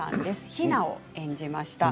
ひなを演じました。